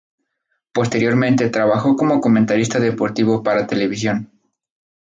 Posteriormente trabajó como comentarista deportivo para televisión.